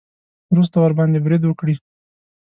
وروسته ورباندې برید وکړي.